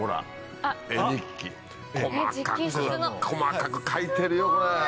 細かく描いてるよこれ。